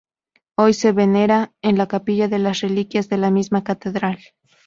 Hoy se venera en la Capilla de las Reliquias de la misma catedral.